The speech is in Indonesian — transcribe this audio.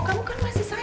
kamu kan masih sakit